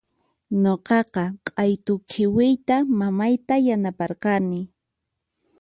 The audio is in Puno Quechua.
Nuqaqa q'aytu khiwiyta mamayta yanaparqani.